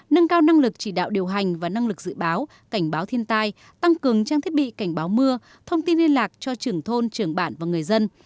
nâng cao năng lực chỉ đạo điều hành và năng lực dự báo cảnh báo thiên tai tăng cường trang thiết bị cảnh báo mưa thông tin liên lạc cho trưởng thôn trưởng bản và người dân